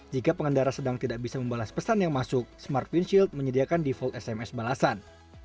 jika pengendara sedang tidak bisa membalas pesan yang masuk smart windshield menyediakan default sms balasan